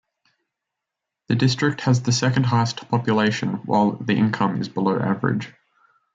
The district has the second highest population while the income is below average.